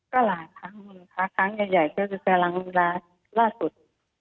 ก็หลายครั้งหลายครั้งใหญ่จะเป็นแรงล่าสุด